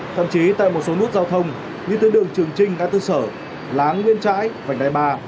thậm chí tại một số nút giao thông như tư đường trường trinh nga tư sở láng nguyên trãi vành đài ba